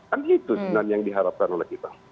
kan itu sebenarnya yang diharapkan oleh kita